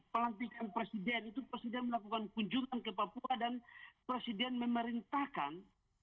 pelantikan presiden itu presiden melakukan kunjungan ke papua dan presiden memerintahkan